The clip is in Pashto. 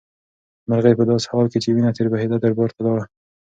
مرغۍ په داسې حال کې چې وینه ترې بهېده دربار ته لاړه.